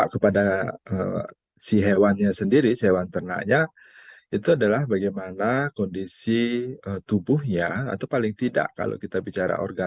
nah ketika ternak atau hewan yang dipelihara di sana itu tentu secara konsumsi pakan ya itu kan tidak memenuhi standar standar kebutuhan